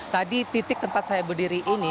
tadi titik tempat saya berdiri ini